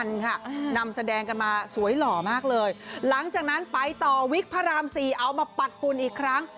นำค่ะนำแสดงกันมาสวยหล่อมากเลยหลังจากนั้นไปต่อวิกพระรามสี่เอามาปัดปุ่นอีกครั้ง